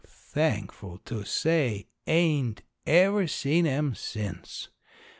Thankful to say ain't ever seen 'em since.